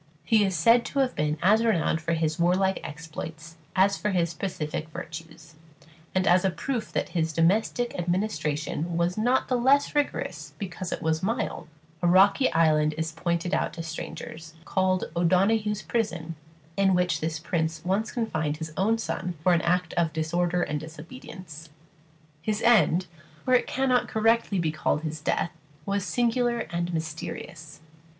He is said to have been as renowned for his warlike exploits as for his pacific virtues; and as a proof that his domestic administration was not the less rigorous because it was mild, a rocky island is pointed out to strangers, called "O'Donoghue's Prison," in which this prince once confined his own son for some act of disorder and disobedience. His end for it cannot correctly be called his death was singular and mysterious.